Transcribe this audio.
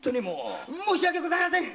申し訳ございません！